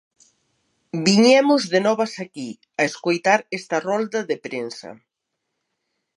Viñemos de novas aquí, a escoitar esta rolda de prensa.